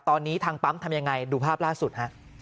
ตอนนี้ทางปั๊มทำยังไงดูภาพล่าสุดฮะ